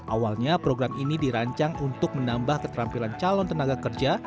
awalnya program ini dirancang untuk menambah keterampilan calon tenaga kerja